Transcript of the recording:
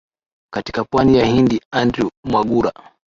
katika pwani ya hindi andrew mwagura